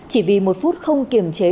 chỉ vì một phút không kiềm chế